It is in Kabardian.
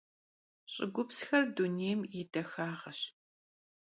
Ş'ıgupsxer dunêym yi daxağeş.